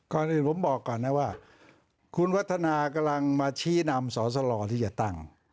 ก่อนอื่นผมบอกก่อนนะว่าคุณวัฒนากำลังมาชี้นำสอสลที่จะตั้ง